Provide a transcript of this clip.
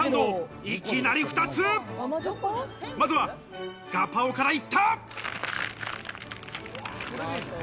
まずはガパオから行った！